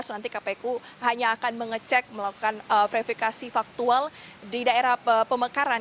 nanti kpu hanya akan mengecek melakukan verifikasi faktual di daerah pemekaran